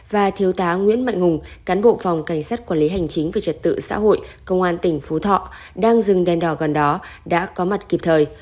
và thiếu tá nguyễn mạnh hùng cán bộ phòng cảnh sát quản lý hành chính về trật tự xã hội công an tỉnh phú thọ đang dừng đèn đỏ gần đó đã có mặt kịp thời